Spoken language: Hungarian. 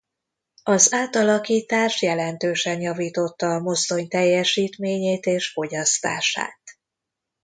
Az átalakítás jelentősen javította a mozdony teljesítményét és fogyasztását.